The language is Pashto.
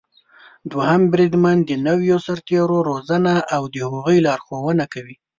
دوهم بریدمن د نويو سرتېرو روزنه او د هغوی لارښونه کوي.